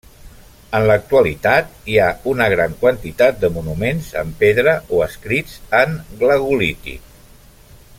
En l'actualitat hi ha una gran quantitat de monuments en pedra o escrits en glagolític.